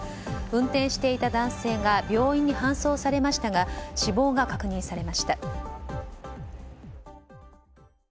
運転していた男性が病院に搬送されましたが死亡が確認されました。